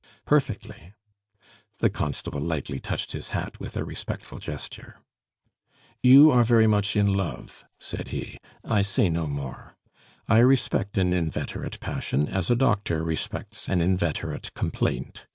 "Perfectly." The constable lightly touched his hat with a respectful gesture. "You are very much in love," said he. "I say no more. I respect an inveterate passion, as a doctor respects an inveterate complaint.